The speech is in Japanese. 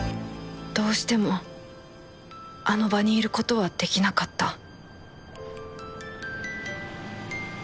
どうしてもあの場にいる事はできなかった